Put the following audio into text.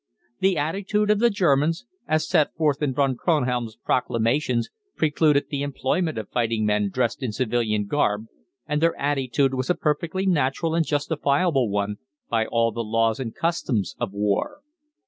The attitude of the Germans, as set forth in Von Kronhelm's proclamations, precluded the employment of fighting men dressed in civilian garb, and their attitude was a perfectly natural and justifiable one by all the laws and customs of war.